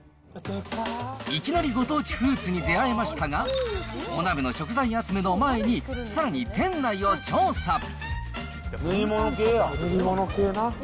いきなりご当地フルーツに出会えましたが、お鍋の食材集めの前に、さらに店内を調査。